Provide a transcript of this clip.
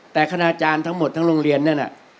แต่คณาจารย์ทั้งหมดทั้งโรงเรียนนั่นน่ะ